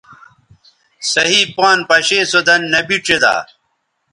صحیح پان پشے سو دَن نبی ڇیدا